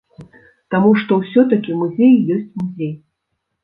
Таму што ўсё-такі музей ёсць музей.